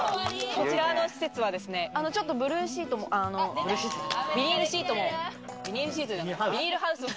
こちらの施設はちょっとブルーシートもビニールシートもビニールハウスも。